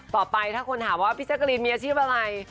ต่อไปถ้าคนถามว่าพี่แจ๊กรีนมีอาชีพอะไร